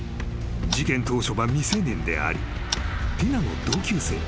事件当初は未成年でありティナの同級生。